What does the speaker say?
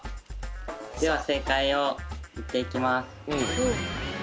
では正解を言っていきます。